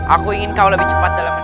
aku ingin kau lebih cepat dalam hidup